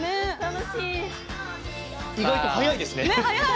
意外と速いですね！